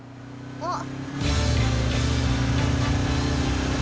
あっ。